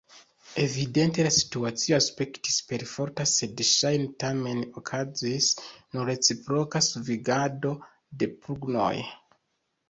Evidente la situacio aspektis perforta, sed ŝajne tamen okazis nur reciproka svingado de pugnoj.